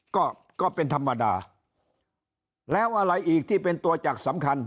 ก็ก็เป็นธรรมดาแล้วอะไรอีกที่เป็นตัวจักรสำคัญ